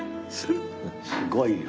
すごいよ。